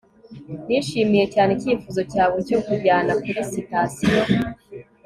nishimiye cyane icyifuzo cyawe cyo kunjyana kuri sitasiyo